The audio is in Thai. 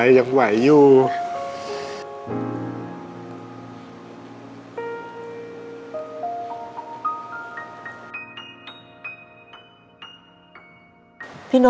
พ่อจะต้องเจ็บกว่าลูกหลายเท่านั้น